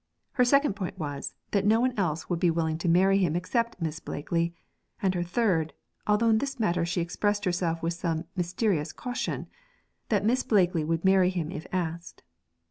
Her second point was, that no one else would be willing to marry him except Miss Blakely; and her third although in this matter she expressed herself with some mysterious caution that Miss Blakely would marry him if asked.